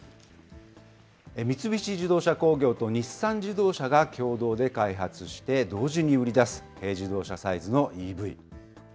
三菱自動車工業と日産自動車が共同で開発して、同時に売り出す軽自動車サイズのＥＶ。